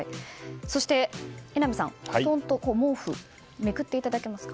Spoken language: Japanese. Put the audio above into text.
そして榎並さん、布団と毛布をめくっていただけますか？